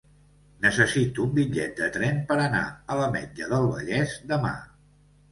Necessito un bitllet de tren per anar a l'Ametlla del Vallès demà.